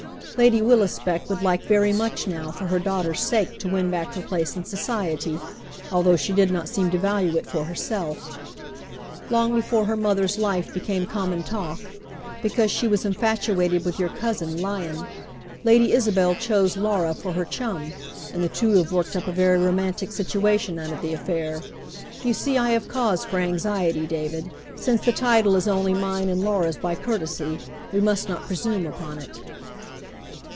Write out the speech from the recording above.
" Lady WiUisbeck would like very much now, for her daughter's sake, to win back her place in society, although she did not seem to value it for herself. Long before her mother's life became common talk, — because slj^e was in fatuated with your cousin Lyon, Lady Isabel chose Laura for her chum, and the two have worked up a very romantic situation out of the affair. You see I have cause for anxiety, David, since the title is only mine and Laura's by courtesy, we must not presume upon it."